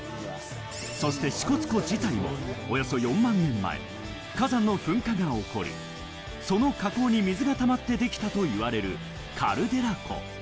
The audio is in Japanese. そして支笏湖自体もおよそ４万年前、火山の噴火が起こり、その火口に水がたまってできたと言われるカルデラ湖。